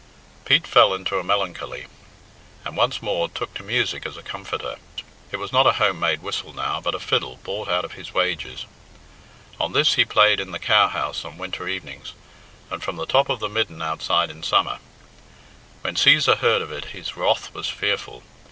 Pete fell into a melancholy, and once more took to music as a comforter. It was not a home made whistle now, but a fiddle bought out of his wages. On this he played in the cowhouse on winter evenings, and from the top of the midden outside in summer. When Cæsar heard of it his wrath was fearful.